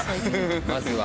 まずは。